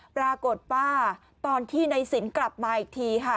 ปรากฏว่าตอนที่ในสินกลับมาอีกทีค่ะ